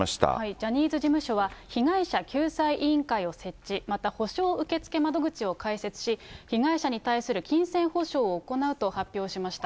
ジャニーズ事務所は被害者救済委員会を設置、また補償受付窓口を開設し、被害者に対する金銭補償を行うと発表しました。